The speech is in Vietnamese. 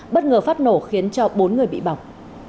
bất ngờ phát nổ khiến cho bốn người bị bỏng